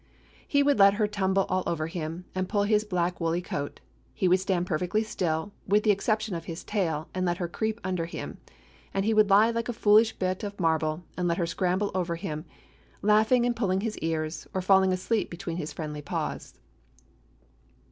He would let her tumble all over him, and pull his black woolly coat. He would stand perfectly still, with the ex ception of his tail, and let her creep under him; and he would lie like a foolish bit of mar ble and let her scramble over him, laughing and pulling his ears, or falling asleep be tween his friendly paws.